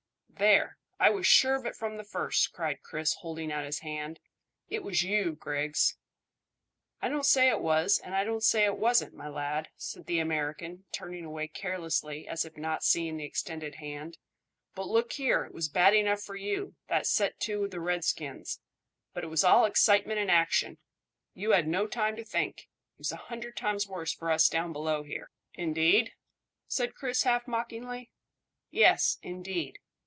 "There, I was sure of it from the first," cried Chris, holding out his hand; "it was you, Griggs." "I don't say it was, and I don't say it wasn't, my lad," said the American, turning away carelessly as if not seeing the extended hand; "but look here, it was bad enough for you, that set to with the redskins; but it was all excitement and action; you had no time to think. It was a hundred times worse for us down below here." "Indeed?" said Chris half mockingly. "Yes, indeed.